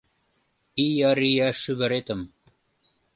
Ия-рия шӱвыретым